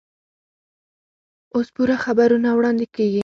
اوس پوره خبرونه واړندې کېږي.